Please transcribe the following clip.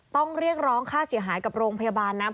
ต้องเรียกร้องค่าเสียหายกับโรงพยาบาลนะ